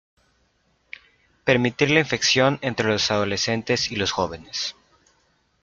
Prevenir la infección entre los adolescentes y los jóvenes.